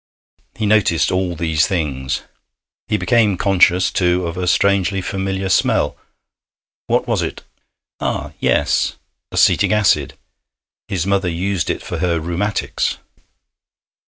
He noticed all these things. He became conscious, too, of a strangely familiar smell. What was it? Ah, yes! Acetic acid; his mother used it for her rheumatics.